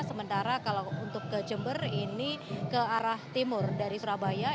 sementara kalau untuk ke jember ini ke arah timur dari surabaya